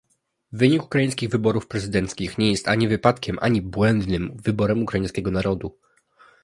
Wynik ukraińskich wyborów prezydenckich nie jest ani wypadkiem, ani "błędnym" wyborem ukraińskiego narodu